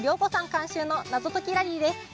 監修の謎解きラリーです。